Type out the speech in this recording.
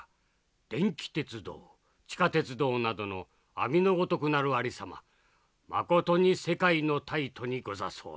電気鉄道地下鉄道などの網のごとくなるありさままことに世界の大都にござ候。